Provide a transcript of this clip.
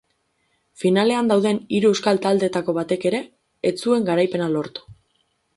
Finalean dauden hiru euskal taldeetako batek ere ez zuen garaipena lortu.